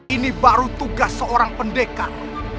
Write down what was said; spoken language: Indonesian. ini baru tugas seorang pendekar